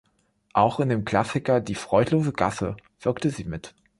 Auch in dem Klassiker "Die freudlose Gasse" wirkte sie mit.